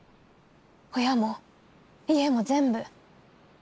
親も家も全部。